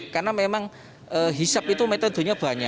karena memang hisap itu